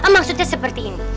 maksudnya seperti ini